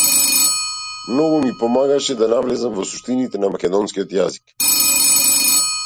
Многу ми помагаше да навлезам во суштините на македонскиот јазик.